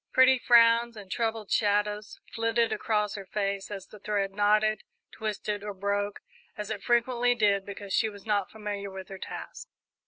Pretty frowns and troubled shadows flitted across her face as the thread knotted, twisted, or broke, as it frequently did, because she was not familiar with her task.